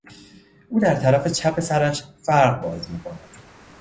او در طرف چپ سرش فرق باز میکند.